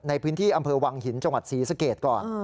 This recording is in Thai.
ในพื้นที่อำเภอวังหินจังหวัดศรีสเกตก่อน